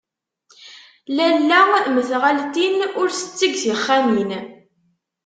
Lalla mm tɣaltin, ur tettegg tixxamin.